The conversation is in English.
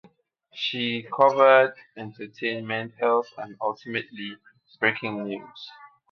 She covered entertainment, health and, ultimately, breaking news.